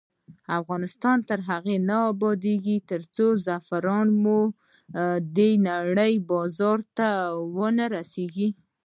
افغانستان تر هغو نه ابادیږي، ترڅو زعفران مو د نړۍ بازار ته ونه رسیږي.